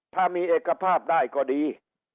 ถ้ามีเอกภาพได้ก็ดี